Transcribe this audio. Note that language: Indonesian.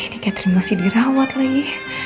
ini catherine masih dirawat lagi